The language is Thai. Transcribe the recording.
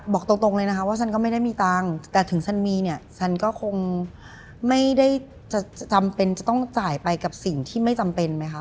บอกตรงเลยนะคะว่าฉันก็ไม่ได้มีตังค์แต่ถึงฉันมีเนี่ยฉันก็คงไม่ได้จะจำเป็นจะต้องจ่ายไปกับสิ่งที่ไม่จำเป็นไหมคะ